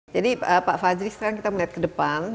jadi pak fadjri sekarang kita melihat ke depan